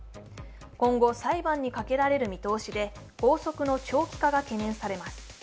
今後、裁判にかけられる見通しで、拘束の長期化が懸念されます。